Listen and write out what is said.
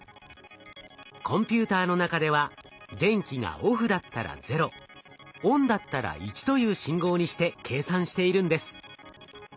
コンピューターの中では電気がオフだったら「０」オンだったら「１」という信号にして計算しているんです。